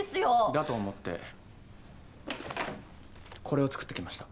だと思ってこれを作ってきました。